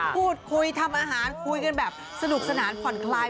พูดคุยทำอาหารคุยกันแบบสนุกสนานผ่อนคลาย